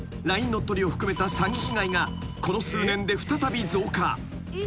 乗っ取りを含めた詐欺被害がこの数年で再び増加］